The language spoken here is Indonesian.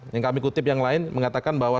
yang kami kutip yang lain mengatakan bahwa